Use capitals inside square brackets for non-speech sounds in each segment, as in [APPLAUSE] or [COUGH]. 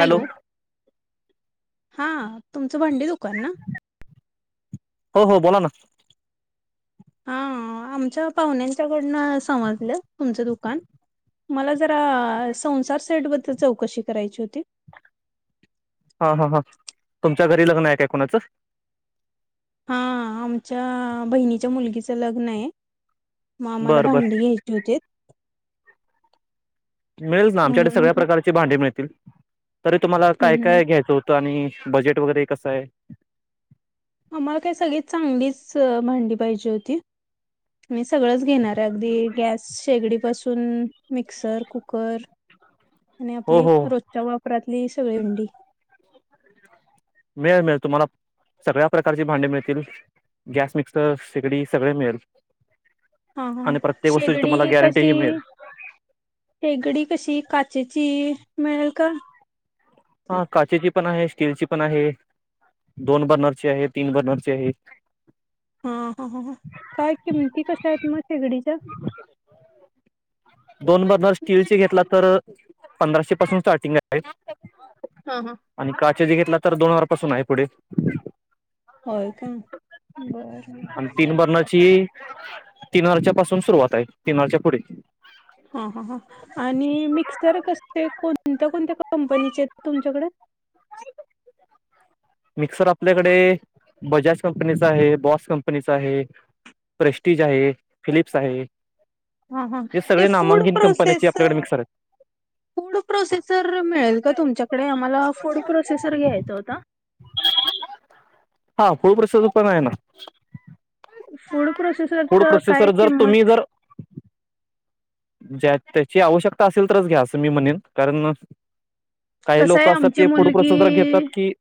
Hello हा तुमच भांडी दु कॉन हो हो बोला ना हा आमच्या पाहुण्यांच्या...... पुढण समजलं तुमचं दुकान मला जरा संसार सेट बद्दल चौकशी करायची होती. हा, हा, हा तुमच्या घरी लग्न हाय काय कुणाचं? हा आमच्या बहिणीच्या मुलगीच लग्न आहे. मग आम्हाला बरं बरं भांडी घ्यायची होतीत. मिळेलच ना आमच्याकडे म्हणून सगळ्या म्हटलं प्रकारची भांडी मिळतील. तरी तुम्हाला काय हम्म हम्म. काय घ्यायचं होतं आणि बजेट वगैरे कसं हाय? आम्हाला काय सगळी चांगलीच भांडी पाहिजे होती. मी सगळंच घेणार आहे. अगदी गॅस शेगडी पासून मिक्सर, कुकर आणि हो आपली हो रोजच्या वापरात [UNINTELLIGIBLE] सगळी [UNINTELLIGIBLE] मिळेल, मिळेल तुम्हाला सगळ्या प्रकारची भांडी मिळतील. गॅस, मिक्स र शेगडी सगळ मिळेल. हा हा आणि प्रत्येक वस्तूची शेगडी तुम्हाला कशी. गॅरंटीही मिळेल शेगडी कशी? काचेची मिळलं का? हा काचेची पण आहे स्टीलची पण आहे, दोन बर्नरची आहे, तीन बर्नरची आहे. हा हा ह ह काय किमती कशा आहेत म शिगडीच्या दोन बर्नर स्टील चे घेतला तर पंधराशे पासून स्टार्टिंग आहे. हा हा [UNINTELLIGIBLE] घेतला तर दोन हजार पासून आहे पुढे. होय काय बरर आणि तीन बर्नरची तीन वरच्या पासून सुरुवात आहे, तीन वरच्या पुढे हा हा हा. आणि कंपनीचेत तुमच्याकडे? मिक्सर आपल्याकडे बजाज कंपनीचा आहे, बॉस कंपनीचा आहे, प्रेस्टीज आहे, फिलिप्स आहे. ह ह हे ते सगळे फूड नामांकित कंपन्याचे प्रोसेसर, आपल्याकडे मिक्सर आहेत फूड प्रोसेसर मिळेल का तुमच्याकडे? आम्हाला फूड प्रोसेसर घ्यायचं होत. हां फूड प्रोसेसर पण आहे ना फूड फूड प्रोसेसरचा काय प्रोसेसर जर तुम्ही किंमत जर ज्या त्याची आवश्यकता असेल तरच घ्या असं मी म्हणेन कारण काही कसं लोक आहे असतात आमची ते फूड प्रोसेसर मुलगी घेतात की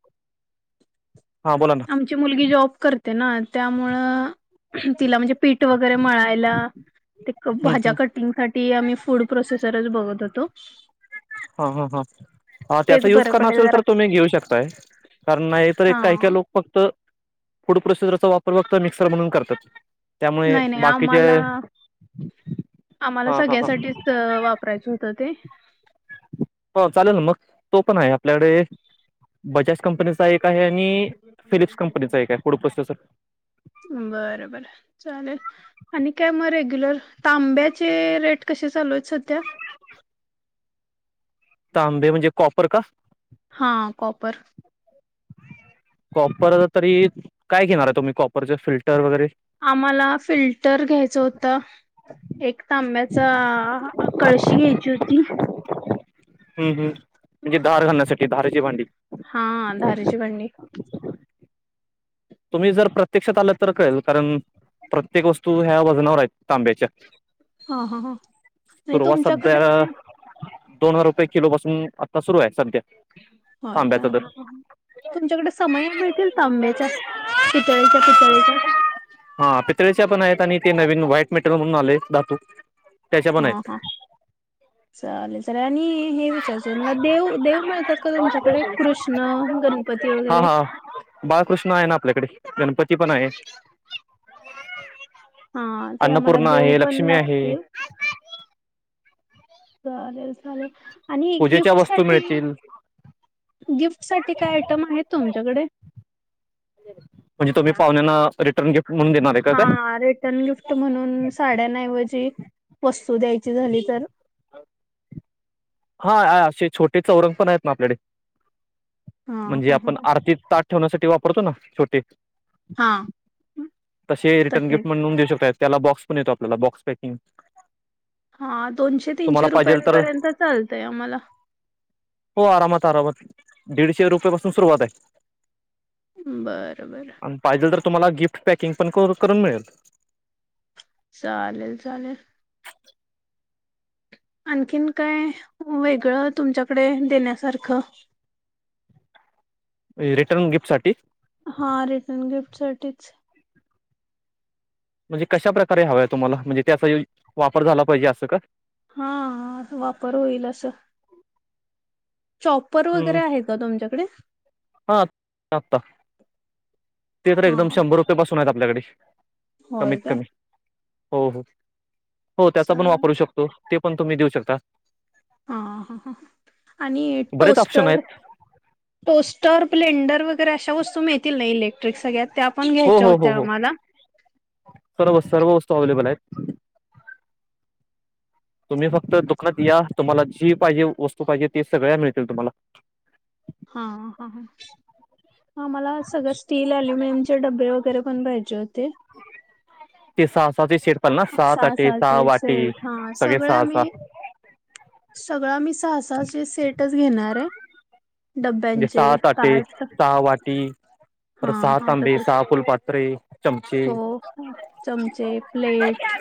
हां बोला ना आमची मुलगी जॉब करते ना त्यामुळे तिला म्हणजे पीठ वगैरे मळायला ते हं हं भाज्या कटिंगसाठी ती आम्ही फूड प्रोसेसरच बघत होतो. हा हा हा त्याचा तेच युज बरं करणार पडेल असेल जरा तर तुम्ही घेऊ शकताय कारण नाही तर एक हा काही काही लोक फक्त फूड प्रोसेसरचा वापर फक्त मिक्सर म्हणून करतात. त्यामुळे नाही नाही बाकीचे आम्हाला आम्हाला हां हां हां सगळ्यासाठीच वापरायचं होतं ते हो चालेल ना मग तो पण आहे आपल्याकडे बजाज कंपनीचा एक आहे आणि फिलिप्स कंपनीचा एक [UNINTELLIGIBLE] आहे फूड प्रोसेसर बर बर चालेल आणि काय मरे रेग्युलर तांब्याचे रेट कसे चालूयेत सध्या? [UNINTELLIGIBLE] तांबे म्हणजे कॉपर का? हा कॉपर कॉपर तरी काय घेणार आहे? तुम्ही कॉपरचे फिल्टर वगैरे आम्हाला फिल्टर घ्यायचं होतं? एक तांब्याचा कळशी घ्यायची होती? हम्म हम्म म्हणजे धार घालण्यासाठी धारेची भांडी. हा धारेची भांडी [UNINTELLIGIBLE] तुम्ही जर प्रत्यक्षात आलात तर कळेल, कारण प्रत्येक वस्तू ह्या वजनावर आहेत तांब्याच्या. हा हा ह आणि सुरुवात तुमच्याकडे? सध्या दोन हजार रुपये किलोपासून आता सुरू आहे सध्या. होय तांब्याचा का? दर तुमच्याकडे समया मिळतील तांब्याच्या? पितळेच्या पितळेच्या [UNINTELLIGIBLE] हा पितळेच्या पण आहेत आणि ते नवीन व्हाईट मेटेरर म्हणून आलेय धातू. त्याच्या पण हा आहेत हा चालेल चाले सगळ्यांनी हे विचारायचय मला देव देव मिळतात का तुमच्याकडे? कृष्ण गणपती हा वगैरे, हा बाळकृष्ण आहे ना आपल्याकडे गणपती पण आहे हा ते आम्हाला अन्नपूर्णा देऊ आहे पण लक्ष्मी आहे लागतील. चालेेल चालेल हा. आणि पूजेच्या गिफ्ट वस्तू साठी मिळतील गिफ्ट साठी काय आयटम आहेत तुमच्याकडे? म्हणजे तुम्ही पाहुण्यांना? रिटर्न गिफ्ट म्हणून देणार आहे का काय हा रिटर्न गिफ्ट म्हणून साड्यानऐवजी वस्तू द्यायची झाली तर? हा हा असे छोटे चौरंग पण आहेत ना आपल्याकडे. हा म्हणजे हा हा आपण आरतीत ताट ठेवण्यासाठी वापरतो ना. छोटी.. हा हा, तसे रिटर्न गिफ्ट म्हणून देऊ शकताय त्याला बॉक्स पण येतो आपल्याला बॉक्स पॅकिंग हा दोनशे तुम्हाला तीनशे पाहिजे तर रुपयांपर्यंत चालते. [UNINTELLIGIBLE] आम्हाला [UNINTELLIGIBLE] दीडशे रुपये पासून सुरुवात हाय. बरं बरं तर तुम्हाला गिफ्ट पॅकिंग पण करू करून मिळेल. चालेल - चालेल आणखीन काय वेगळं तुमच्याकडे देण्यासारखं रिटर्न गिफ्ट साठी - - हा रिटर्न गिफ्टसाठीच - - म्हणजे कशा प्रकारे हवं आहे तुम्हाला म्हणजे त्याचा यो वापर झाला पाहिजे असं काय हां, वापर होईल असं. चॉपर वगैरे हम् आहे का तुमच्याकडे? हा आता ते तर एकदम हां, शंभर रुपये पासून आहेत आपल्याकडे कमीत होय का? कमी हो हो हो त्याचा पण वापरू चालेल. होऊ शकतो. ते पण तुम्ही देऊ शकता. हा हं ह आणि बरेच ऑप्शन टोस्टर आहेत टोस्टर ब्लेंडर अशा वस्तु [UNINTELLIGIBLE] ना इलेक्ट्रिक सगळ्यात हो हो हो हो सर्व सर्व वस्तू अवेलेबल आहेत. तुम्ही फक्त दुकानात या तुम्हाला जी पाहिजे वस्तू पाहिजे ते सगळ्या मिळतील तुम्हाला हा हं हा हा मला सगळं स्टील, अल्युमिनियम चे डब्बे वगैरे पण पाहिजे होते ते सहा सहाचे सेट पाल ना सहा ताटे सहा चे वाटी सेट हा सगळे सगळ सहा मी सहा सगळ मी सहा..... तसे सेटच घेणाराय. णजे सहा ताटे सहा वाटी हा पर सहा हा तांबे तसच सहा फुलपात्रे चमचे हो चमचे, प्लेट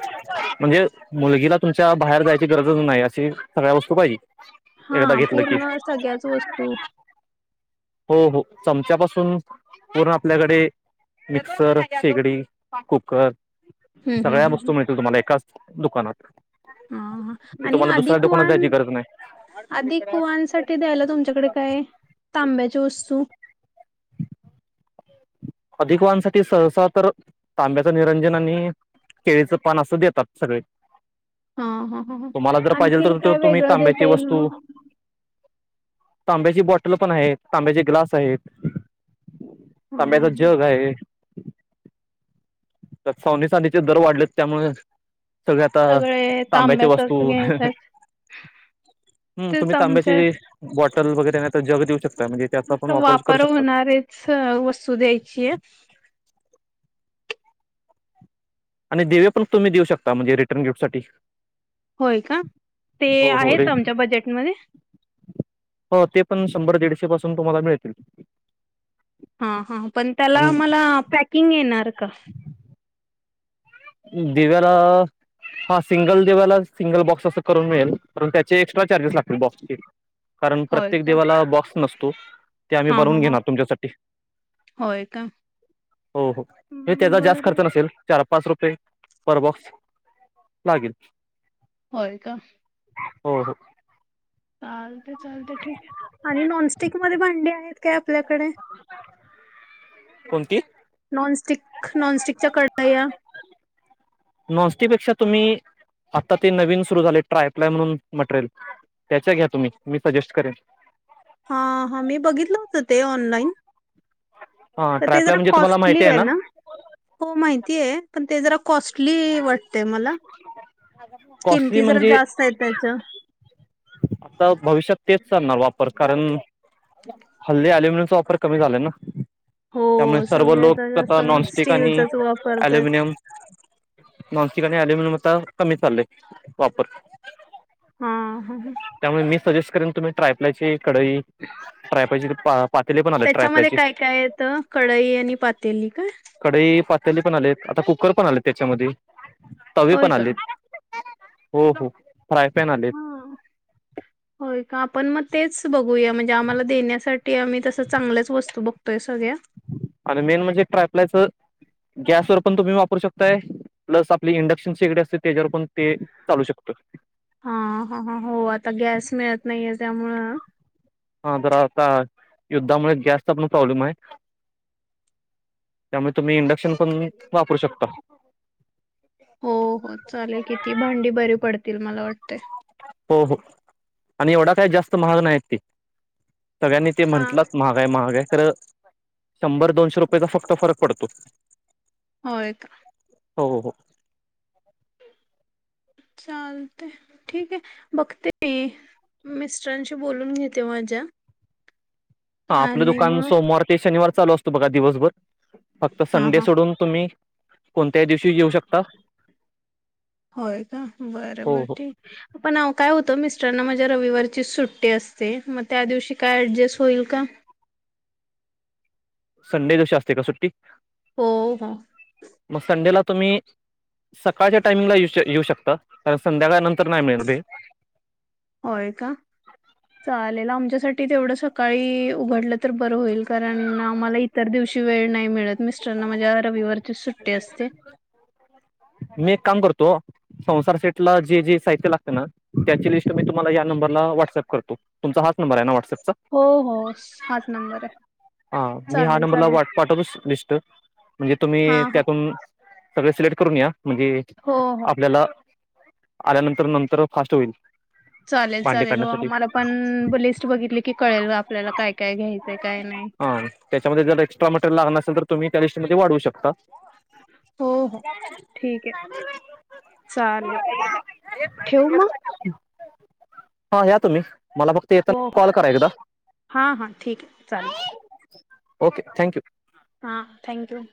म्हणजे मुलगीला तुमच्या बाहेर जायची गरजच नाही अशी सगळ्या वस्तू पाहिजे. हा एकदा घेतलं की पूर्ण सगळ्याच वस्तू - - हो -हो चमच्यापासून पूर्ण आपल्याकडे मिक्सर, शेगडी, कुकर हम्म सगळ्या वस्तू मिळतील तुम्हाला एकाच - - दुकानत हं हा आणि अधिक दुकानात वान जायची गरज नाही अधिक वान साठी द्यायला तुमच्याकडे काही तांब्याची वस्तू - - अधिक वाहनसाठी सहसा तर तांब्याचं निरंजन आणि केळीचं पान असं देतात सगळे हा हा ह ह तुम्हाला जर पाहिजेल आणखीन तर त काय तुम्ही वेगळं तांब्याची देता येईल वस्तू मग तांब्याची बॉटल पण आहेत. तांब्याचे ग्लास आहेत. ह तांब्याच्या ह जग आहे. तर सोन्या चांदीचे दर वाढलेत त्यामुळे सगळी आता सगळे तांब्याच्या वस्तू तांब्याचच हम् घेतात तुम्ही तेच आमच्या तांब्याची बॉटल वगैरे त्यांना जग देऊ शकता म्हणजे त्याचा पण वापर करू शकतात. होणारेच वस्तू द्यायची आहे आणि दिवे पण तुम्ही देऊ शकता म्हणजे रिटर्न गिफ्टसाठी होय का, ते हो रे आहेत आमच्या बजेटमध्ये? हो ते पण शंभर दीडशे पासून तुम्हाला मिळतील. हा हा पण त्याला आणि मला पॅकिंग येणार. का? दिव्याला, हा सिंगल दिव्याला सिंगल बॉक्स असं करून मिळेल पण त्याचे एक्स्ट्रा चार्जेस लागतील बॉक्सचे. कारण होय प्रत्येक का देवाला बॉक्स नसतो. तो ते आम्ही हा हा बनवून हा घेणार तुमच्यासाठी, होय का हो हो त्याचा जास्त बरं खर्च नसेल चार पाच रु ते परबॉक्स लागेल. होय का? हो हो चालते चालते ठीक आहे आणि नॉन स्टिक मध्ये भांडी आहेत काय आपल्याकडे? कोणती नॉनस्टिक नॉनस्टिकच्या कढया. नॉनस्टीपेक्षा तुम्ही आता ते नवीन सुरू झालय ट्रायप्लाय म्हणून मटरेल त्याच्या घ्या तुम्ही मी सजेस्ट करेन. हा हा मी बघितलं होतं ते ऑनलाइन हां तर ते ट्रायप्लाय जरा म्हणजे तुम्हाला माहिती आहे कॉस्टलीये ना, हो माहिती आहे. पण ते जरा कॉस्टली वाटतंय मला, कॉस्टली किमती जरा म्हणजे जास्त आहेत त्याच्या. आता भविष्यात तेच चालणार वापर कारण हल्ली अलुमिनियम चा वापर कमी झालंय ना. त्यामुळे हो सर्व सगळे लोक जास्त आता नॉनस्टिक आणि स्टीलचाच वापरतायत. अल्युमिनियम नॉनस्टिक आणि अल्युमिनियमचा कमी चाललाय वापर. हा हा हा. त्यामुळे मी सजेस्ट करेन तुम्ही ट्राय ह्याची कढई ट्राय पाहिजे. पा पातेले पण आलेत त्याच्यामध्ये ट्रायप्लायची काय काय येतं, कढई आणि पातेली काय? तेली पण आलेत आता कुकर पण आलेत त्याच्यामध्ये तवे होय पण का? आलेत. हो हो फ्राय पॅन आलेत. हा. होय का पण म तेच बघूया म्हणजे आम्हाला देण्यासाठी आम्ही तस चांगल्याच वस्तू बघतोय सगळ्या आणि मेन म्हणजे ट्रापलायच गॅसवर पण तुम्ही वापरू शकताय. प्लस आपली इंडक्शन शेगडी असतील तेज्यावर पण ते चालू शकतं हा, हा, हा, हा हो आता गॅस मिळत नाहीये त्यामुळं हं हा बर आता युद्धामुळे गॅसचा पण प्रॉब्लेम आहे, त्यामुळे तुम्ही इंडक्शन पण मी वापरू शकता. हो, हो चालेल कि ती भांडी बरी पडतील मला वाटतेय. हो हो आणि एवढा काय जास्त महाग नाही आहेत ते. सगळ्यांनी ते हा म्हटलंच महाग हाय, महाग हाय खर शंभर दोनशे रुपयेचा फक्त फरक पडतो. हो येता हो हो हो चालतय ठीक ये बघते मी मिस्टरांशी बोलून घेते माझ्या. हा आपलं आणि दुकान मग सोमवार ते शनिवार चालू असतं बघा दिवसभर फक्त हा हा संडे सोडून तुम्ही कोणत्याही दिवशी येऊ शकता होय का? बर, हो बर हो ठीक पण अवो काय होत मिस सर ना माझ्या रविवारची सुट्टी असते, मग त्या दिवशी काय ऍडजस्ट होईल का? संडे दिवशी असते का सुट्टी? हो, हो. मग संडेला तुम्ही सकाळच्या टाइमिंगला येऊ येऊ शकता? कारण संध्याकाळ नंतर नाही मिळेल ते होय का? चालेल आमच्यासाठी तेवढं सकाळी उघडलं तर बरं होईल. कारण आम्हाला इतर दिवशी वेळ नाही मिळत. मिस्टरांना माझ्या रविवारची सुट्टी असते. मी एक काम करतो, संसार सेटला जे जे साहित्य लागतं ना त्याची लिस ते मी तुमाला या नंबरला व्हाट्सअप करतो तुमचा हाच नबंर आहे ना व्हाट्स हो हो स- हाच नंबर आहे [UNINTELLIGIBLE] आ मी ह्या चालेल नंबरला चालेल वा पाठवतो लिस्ट म्हणजे तुम्ही हां हां त्यातून सगळे सिलेक्ट करून या. म्हणजे हो हो आपल्याला आल्यानंतर नंतर फास्ट होईल. चालेल, भांडे चालेल हो काढण्यासाठी आम्हाला पण लिस्ट बघितली की कळेल आपल्याला काय काय घ्यायचंय, काय नाई. हा त्याच्यामध्ये जर एक्स्ट्रा मटेरियल लागणार असेल तर तुम्ही त्या लिस्टमध्ये वाढवू शकता. हो, हो. ठीक हे चालेल ठेऊ मग् हा या तुम्ही मला फक्त हो येताना हो कॉल करा एकदा हा हा ठीक हे चालेल ओके थँक्यू हा, थँक्यू